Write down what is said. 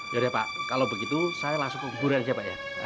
ya udah pak kalau begitu saya langsung ke kuburannya aja pak ya